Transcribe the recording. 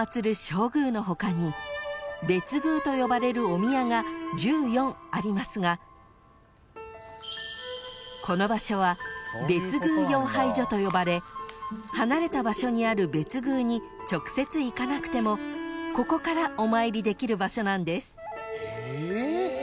正宮の他に別宮と呼ばれるお宮が１４ありますがこの場所は別宮遥拝所と呼ばれ離れた場所にある別宮に直接行かなくてもここからお参りできる場所なんです］